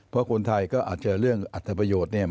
เพราะคนไทยก็อาจจะเรื่องอัฐประโยชน์เนี่ย